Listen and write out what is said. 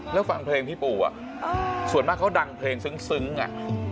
แล้วฟังเพลงพี่ปู่ส่วนมากเขาดังเพลงซึ้งไง